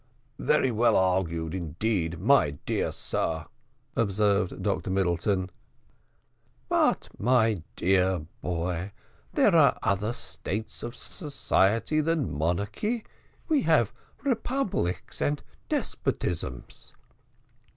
"Very well argued indeed, my dear sir," observed Dr Middleton. "But, my dear boy, there are other states of society than monarchy; we have republics and despotisms."